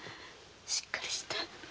しっかりして！